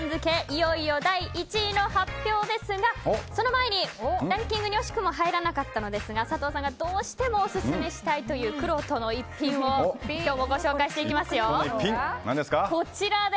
いよいよ第１位の発表ですがその前に、ランキングに惜しくも入らなかったのですが佐藤さんがどうしてもオススメしたいというくろうとの逸品を今日もご紹介していきますよ。